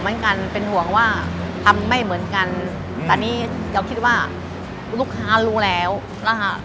ไม่คิดว่าเขายายสาขาอะครับ